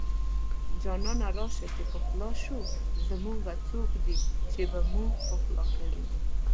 جانانه راشه چې پخلا شو زمونږه څوک دي چې به مونږ پخلا کوينه